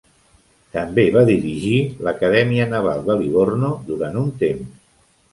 També va dirigir l'Acadèmia Naval de Livorno durant un temps.